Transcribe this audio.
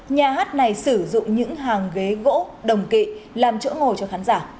nhà hát này sử dụng những hàng ghế gỗ đồng kỵ làm chỗ ngồi cho khán giả